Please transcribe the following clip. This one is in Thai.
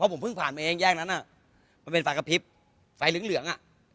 เพราะผมพื้นผ่านไฟเองแยกนั้นมันเป็นสารกระพริบไฟเหลือง